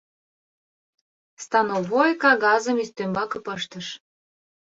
— Становой кагазым ӱстембаке пыштыш.